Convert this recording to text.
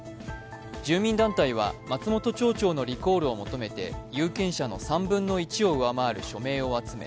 住民団体は松本町長のリコールを求めて有権者の３分の１を上回る署名を集め